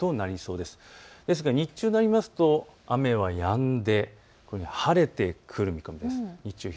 ですが日中になりますと雨はやんで晴れてくる見込みです。